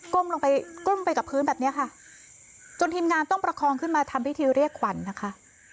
ลงไปก้มไปกับพื้นแบบเนี้ยค่ะจนทีมงานต้องประคองขึ้นมาทำพิธีเรียกขวัญนะคะ